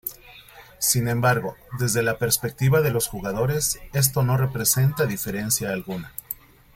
Sin embargo, desde la perspectiva de los jugadores esto no representa diferencia alguna.